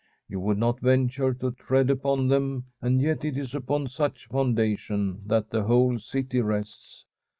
You would not venture to tread upon them, and yet it is upon such foundation that the whole city rests.